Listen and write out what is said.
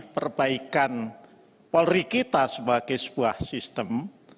perbaikan polri kita sebagai sebuah sistem